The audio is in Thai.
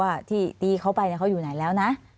ว่าที่ตีเขาไปเขาอยู่ไหนแล้วนะ